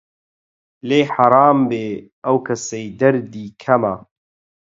لێی حەرام بێ ئەو کەسەی دەردی کەمە